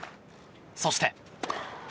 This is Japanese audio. そして。